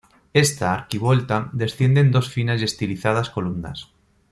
Esta arquivolta desciende en dos finas y estilizadas columnas.